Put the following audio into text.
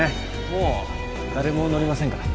もう誰も乗りませんから